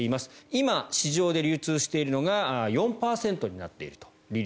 今、市場で流通しているのが利率が４％になっていると。